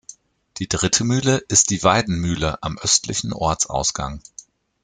Die dritte Mühle ist die Weidenmühle am östlichen Ortsausgang.